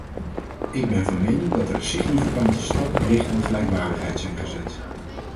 Ik ben van mening dat er significante stappen richting gelijkwaardigheid zijn gezet.